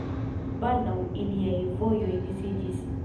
Baldaŭ iliaj vojoj disiĝis.